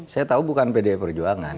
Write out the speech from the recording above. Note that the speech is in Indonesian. saya tahu bukan pdi perjuangan